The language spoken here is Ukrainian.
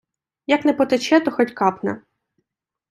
Як не потече, то хоть капне.